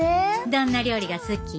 どんな料理が好き？